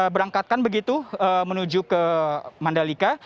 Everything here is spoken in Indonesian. berangkatkan begitu menuju ke mandalika